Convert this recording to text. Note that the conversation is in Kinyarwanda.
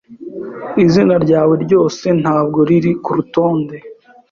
Izina ryawe rwose ntabwo riri kurutonde.